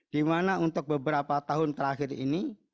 dimana untuk beberapa tahun terakhir ini